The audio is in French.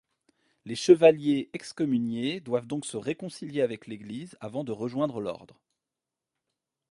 Les chevaliers excommuniés doivent donc se réconcilier avec l'Église avant de rejoindre l'ordre.